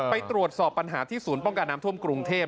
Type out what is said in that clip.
ไปตรวจสอบปัญหาที่ศูนย์ป้องกันน้ำท่วมกรุงเทพ